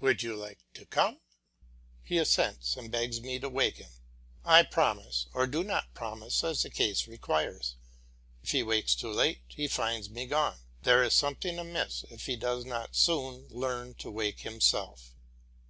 Would you like to come too?" He assents, and begs me to wake him. I promise, or do not promise, as the case requires. If he wakes too late, he finds me gone. There is something amiss if he does not soon learn to wake himself.